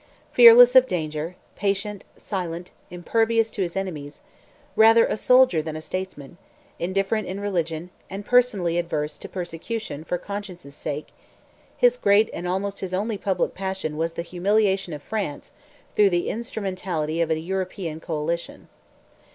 Fearless of danger, patient, silent, impervious to his enemies, rather a soldier than a statesman, indifferent in religion, and personally adverse to persecution for conscience' sake, his great and almost his only public passion was the humiliation of France through the instrumentality of a European coalition.